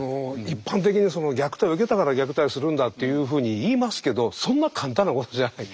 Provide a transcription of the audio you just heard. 一般的に「虐待を受けたから虐待をするんだ」というふうにいいますけどそんな簡単なことじゃない。